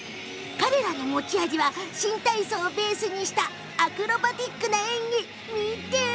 彼らの持ち味は新体操をベースにしたアクロバティックな演技。